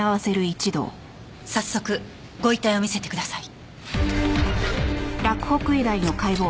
早速ご遺体を見せてください。